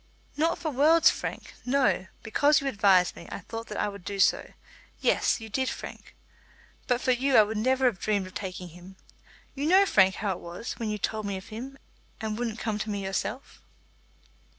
"Not for worlds, Frank. No. Because you advised me, I thought that I would do so. Yes, you did, Frank. But for you I would never have dreamed of taking him. You know, Frank, how it was, when you told me of him and wouldn't come to me yourself."